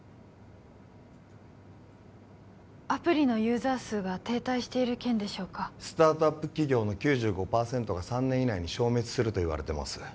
アプリのユーザー数が停滞している件でしょうかスタートアップ企業の９５パーセントが３年以内に消滅するといわれてます